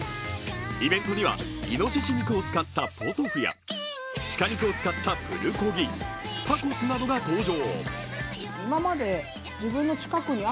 イベントにはいのしし肉を使ったポトフや鹿肉を使ったプルコギ、タコスなどが登場。